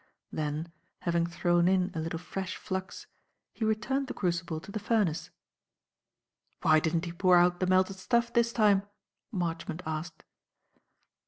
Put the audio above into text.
Then, having thrown in a little fresh flux, he returned the crucible to the furnace. "Why didn't he pour out the melted stuff this time?" Marchmont asked.